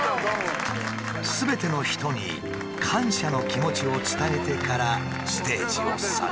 「すべての人に感謝の気持ちを伝えてからステージを去る」。